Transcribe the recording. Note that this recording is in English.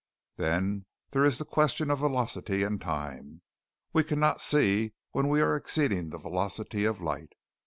"Then there is the question of velocity and time. We cannot see when we are exceeding the velocity of light.